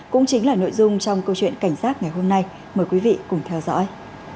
cũng chính là nội dung trong câu chuyện cảnh giác ngày hôm nay mời quý vị cùng theo dõi